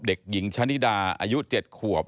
เด็กหญิงชะนิดาอายุ๗ขวบ